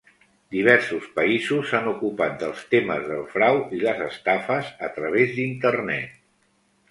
Diversos països s'han ocupat dels temes del frau i les estafes a través d'Internet.